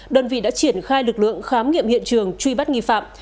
đơn vị đã triển khai lực lượng khám nghiệm hiện trường truy bắt nghi phạm